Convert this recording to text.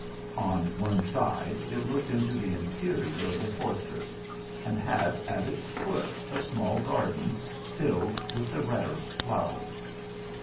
On one side it looked into the interior of the fortress, and had at its foot a small garden filled with the rirest flowers.